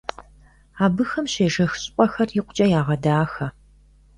Абыхэм щежэх щӀыпӀэхэр икъукӀэ ягъэдахэ.